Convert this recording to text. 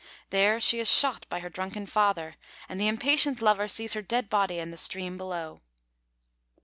There she is shot by her drunken father, and the impatient lover sees her dead body in the stream below.